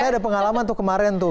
saya ada pengalaman tuh kemarin tuh